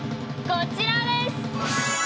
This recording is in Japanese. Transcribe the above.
こちらです。